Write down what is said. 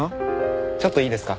ちょっといいですか？